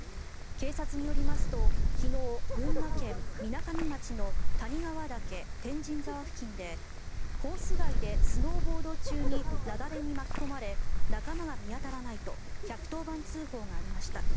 警察によりますと昨日、群馬県みなかみ町の谷川岳天神沢付近でコース外でスノーボード中に雪崩に巻き込まれ仲間が見当たらないと１１０番通報がありました。